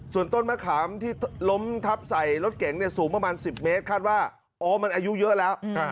ส่วนต้นมะขามที่ล้มทับใส่รถเก๋งสูงประมาณ๑๐เมตรคาดว่าโอ้มันอายุเยอะแล้ว